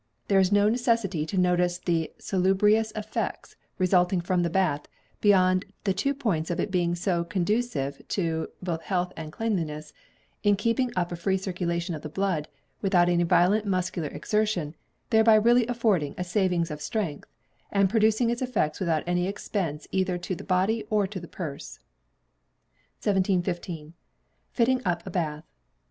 There is no necessity to notice the salubrious effects resulting from the bath, beyond the two points of its being so conducive to both health and cleanliness, in keeping up a free circulation of the blood, without any violent muscular exertion, thereby really affording a saving of strength, and producing its effects without any expense either to the body or to the purse. 1715. Fitting up a Bath.